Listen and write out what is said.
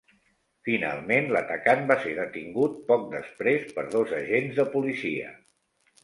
Finalment, l'atacant va ser detingut poc després per dos agents de policia.